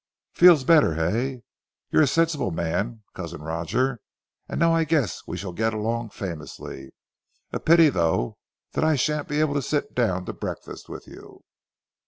"Feels better, hey? You're a sensible man, Cousin Roger, and now I guess we shall get along famously. A pity, though, that I shan't be able to sit down to breakfast with you."